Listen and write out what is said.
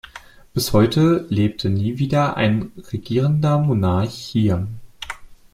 Bis heute lebte nie wieder ein regierender Monarch hier.